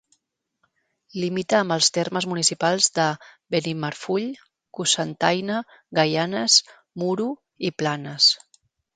Limita amb els termes municipals de Benimarfull, Cocentaina, Gaianes, Muro i Planes.